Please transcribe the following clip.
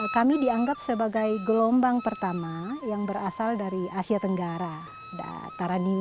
kami dianggap sebagai gelombang pertama yang berasal dari asia tenggara